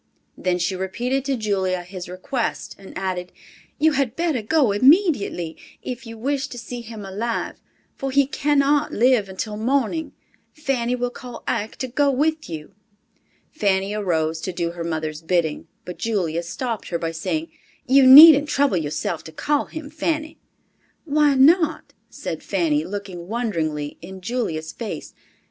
Then she repeated to Julia his request, and added, "You had better go immediately, if you wish to see him alive, for he cannot live until morning. Fanny will call Ike to go with you." Fanny arose to do her mother's bidding, but Julia stopped her by saying, "You needn't trouble yourself to call him, Fanny." "Why not?" said Fanny, looking wonderingly in Julia's face.